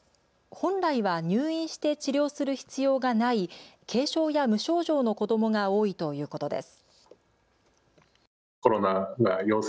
本来は入院して治療する必要がない軽症や無症状の子どもが多いということです。